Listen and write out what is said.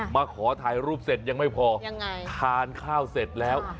มาขอถ่ายรูปเสร็จยังไม่พอทานข้าวเสร็จแล้ว